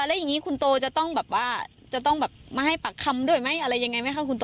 แล้วอย่างนี้คุณโตจะต้องมาให้ปากคำด้วยไหมอะไรอย่างไรไหมคะคุณโต